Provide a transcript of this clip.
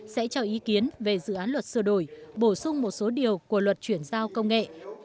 sẽ cho ý kiến về dự án luật sửa đổi bổ sung một số điều của luật chuyển giao công nghệ